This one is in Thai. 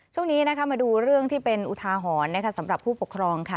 ช่วงนี้นะคะมาดูเรื่องที่เป็นอุทาหรณ์สำหรับผู้ปกครองค่ะ